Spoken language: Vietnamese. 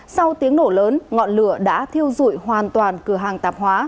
sau tiếng nổ lớn ngọn lửa đã thiêu dụi hoàn toàn cửa hàng tạp hóa